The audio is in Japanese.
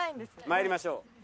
参りましょう。